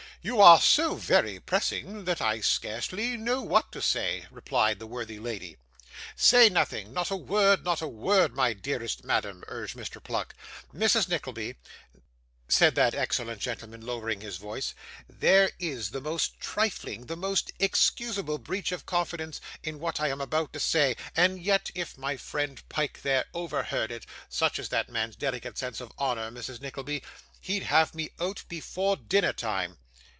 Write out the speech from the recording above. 'You are so very pressing, that I scarcely know what to say,' replied the worthy lady. 'Say nothing; not a word, not a word, my dearest madam,' urged Mr. Pluck. 'Mrs. Nickleby,' said that excellent gentleman, lowering his voice, 'there is the most trifling, the most excusable breach of confidence in what I am about to say; and yet if my friend Pyke there overheard it such is that man's delicate sense of honour, Mrs. Nickleby he'd have me out before dinner time.